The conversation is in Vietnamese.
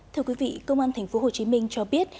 thưa quý vị công an tp hcm cho biết